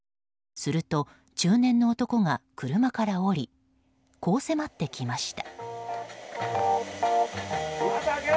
すると中年の男が車から降りこう迫ってきました。